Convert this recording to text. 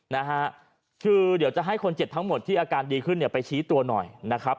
นะฮะคือเดี๋ยวจะให้คนเจ็บทั้งหมดที่อาการดีขึ้นเนี่ยไปชี้ตัวหน่อยนะครับ